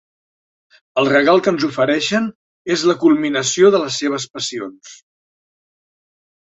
El regal que ens ofereixen és la culminació de les seves passions.